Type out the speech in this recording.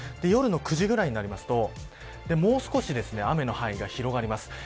夜の９時ぐらいになりますともう少し雨の範囲が広がります